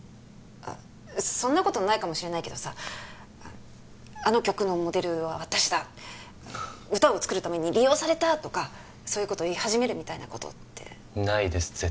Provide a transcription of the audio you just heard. あっそんなことないかもしれないけどさあの曲のモデルは私だ歌を作るために利用されたとかそういうこと言い始めるみたいなことってないです